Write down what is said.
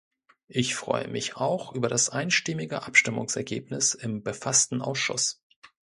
Ich freue mich auch über das einstimmige Abstimmungsergebnis im befassten Ausschuss.